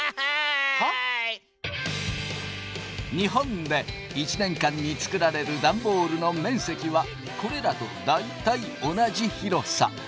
日本で１年間に作られるダンボールの面積はこれらと大体同じ広さ。